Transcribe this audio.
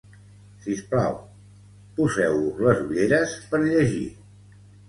Sisplau, poseu-vos les ulleres per llegir